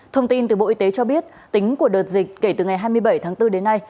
thông tin từ bộ y tế cho biết tính của đợt dịch kể từ ngày hai mươi bảy tháng bốn đến nay